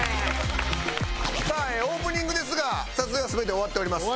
さあオープニングですが撮影は全て終わっております。